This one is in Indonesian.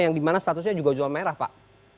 yang dimana statusnya juga jual merah pak